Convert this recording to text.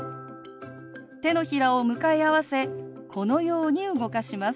手のひらを向かい合わせこのように動かします。